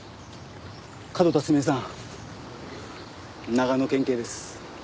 長野県警です。